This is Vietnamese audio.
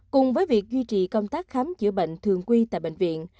cùng với việc duy trì công tác khám chữa bệnh thường quy tại bệnh viện